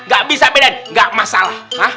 gak bisa bedain gak masalah